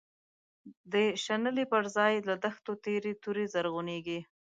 د شنلی بر ځای له دښتو، تیری توری زرعونیږی